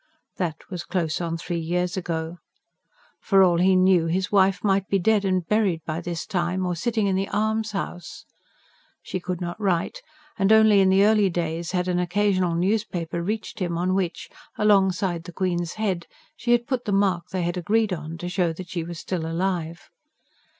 That was close on three years ago. For all he knew, his wife might be dead and buried by this time; or sitting in the almshouse. She could not write, and only in the early days had an occasional newspaper reached him, on which, alongside the Queen's head, she had put the mark they had agreed on, to show that she was still alive.